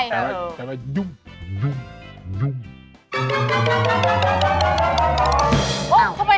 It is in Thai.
เข้าไปหันมามองอย่างนี้